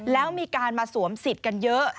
แล้วมีการมาสวมสิทธิ์กันเยอะ